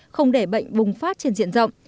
không để bệnh bùng phát trên diện rộng